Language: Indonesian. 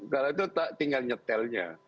karena itu tinggal nyetelnya